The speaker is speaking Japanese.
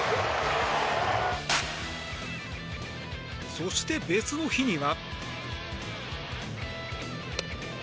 そして別の日には。